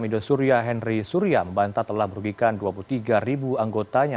idul surya henry surya membantah telah merugikan dua puluh tiga anggotanya